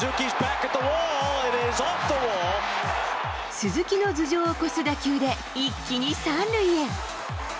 鈴木の頭上を越す打球で一気に３塁へ。